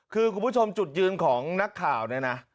คือคุณผู้ชมจุดยืนของนักข่าวเนี่ยนะ